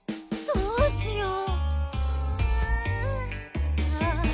どうしよう。